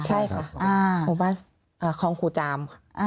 ใช่ค่ะหมู่บ้านคลองครูจาม